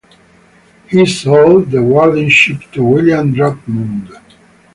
He sold the wardenship to William Drummond.